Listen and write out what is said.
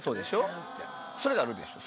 それがあるでしょ